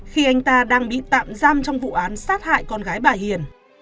khi anh ta đang bị tạm giam trong vụ án sát hại con gái bà hiền